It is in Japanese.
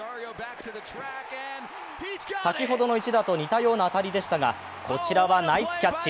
先ほどの１打と似たような当たりでしたがこちらはナイスキャッチ。